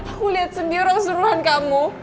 aku lihat sembiro seluruhan kamu